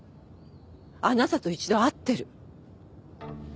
あなたと一度会ってる。